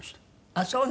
ああそう？